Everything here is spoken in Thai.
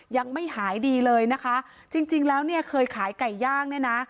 ยังไม่หายดีเลยนะคะจริงจริงแล้วเนี่ยเคยขายไก่ย่างเนี่ยนะ